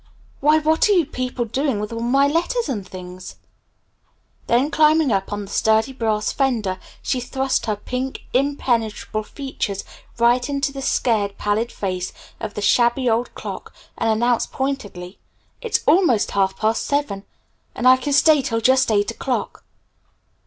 "Why, what are you people doing with all my letters and things?" Then climbing up on the sturdy brass fender, she thrust her pink, impenetrable features right into the scared, pallid face of the shabby old clock and announced pointedly, "It's almost half past seven. And I can stay till just eight o'clock!"